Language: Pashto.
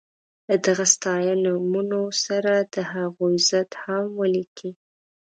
له دغو ستاینومونو سره د هغوی ضد هم ولیکئ.